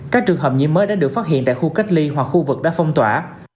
các trường hợp nhiễm mới đã được phát hiện tại khu cách ly hoặc khu vực đã phong tỏa